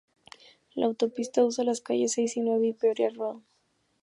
La autopista usa las calles seis y nueve, y Peoria Road.